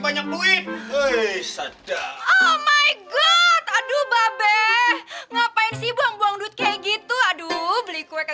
banyak duit oh my god aduh mbak be ngapain sih buang buang duit kayak gitu aduh beli kue